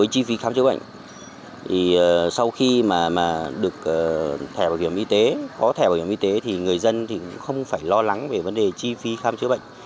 chi phí khám chữa bệnh sau khi được thẻ bảo hiểm y tế có thẻ bảo hiểm y tế thì người dân cũng không phải lo lắng về chi phí khám chữa bệnh